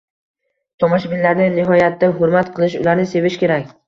Tomoshabinlarni nihoyatda hurmat qilish, ularni sevish kerak.